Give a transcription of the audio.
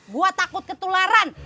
gue takut ketularan